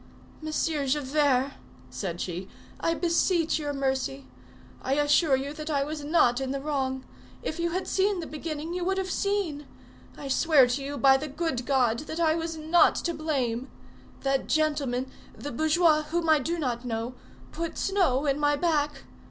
"Monsieur Javert," said she, "I beseech your mercy. I assure you that I was not in the wrong. If you had seen the beginning, you would have seen. I swear to you by the good God that I was not to blame! That gentleman, the bourgeois, whom I do not know, put snow in my back.